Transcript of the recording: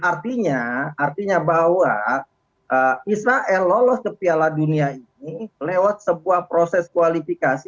artinya artinya bahwa israel lolos ke piala dunia ini lewat sebuah proses kualifikasi